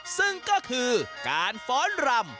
ซึ่งก็คือการฝรั่งรำ